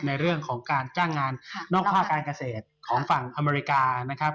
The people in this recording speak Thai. ในเรื่องของการจ้างงานนอกภาคการเกษตรของฝั่งอเมริกานะครับ